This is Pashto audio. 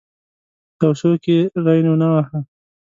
توصیو کې ری ونه واهه.